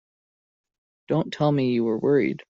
Don't tell me you were worried!